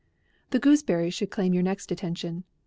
The gooseberry should claim your next attention.